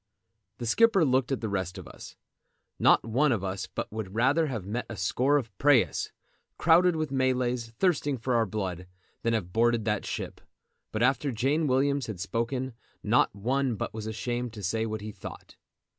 The skipper looked at the rest of us. Not one of us but would rather have met a score of prahus, crowded with Malays thirsting for our blood, than have boarded that ship; but after Jane Williams had spoken not one but was ashamed to say what he thought.